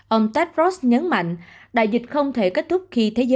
ông tedros nhấn mạnh đại dịch không thể kết thúc khi thế giới